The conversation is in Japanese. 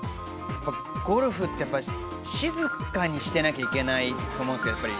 ゴルフって、静かにしてなきゃいけないと思うんですよ。